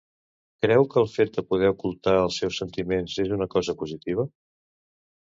Creu que el fet de poder ocultar els seus sentiments és una cosa positiva?